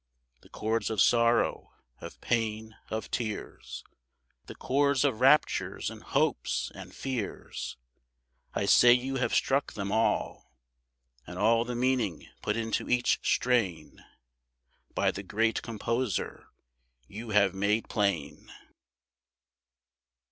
The chords of sorrow, of pain, of tears, The chords of raptures and hopes and fears, I say you have struck them all; And all the meaning put into each strain By the Great Composer, you have made plain.